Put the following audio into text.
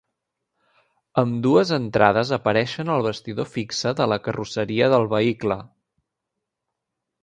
Ambdues entrades apareixen al bastidor fixe de la carrosseria del vehicle.